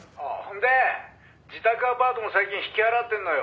「で自宅アパートも最近引き払ってんのよ」